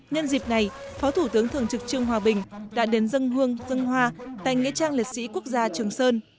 nhân dịp này phó thủ tướng thường trực trương hòa bình đã đến dân hương dân hoa tại nghĩa trang liệt sĩ quốc gia trường sơn